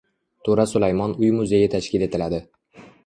To‘ra Sulaymon uy-muzeyi tashkil etiladi